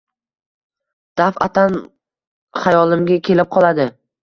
Daf’atan xayolimga kelib qoladi.